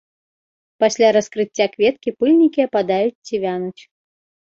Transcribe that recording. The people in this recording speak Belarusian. Пасля раскрыцця кветкі пыльнікі ападаюць ці вянуць.